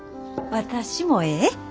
私もええ？